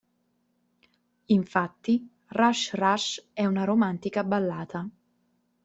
Infatti "Rush Rush" è una romantica ballata.